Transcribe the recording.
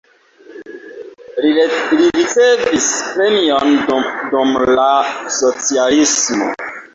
Li ricevis premiojn dum la socialismo.